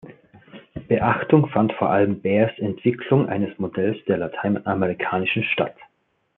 Beachtung fand vor allem Bährs Entwicklung eines Modells der lateinamerikanischen Stadt.